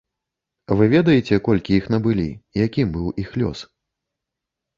Вы ведаеце, колькі іх набылі, якім быў іх лёс?